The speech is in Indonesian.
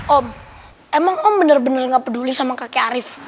om emang om bener bener gak peduli sama kakek arief